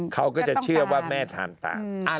เขาก็จะเชื่อว่าแม่ทานตาม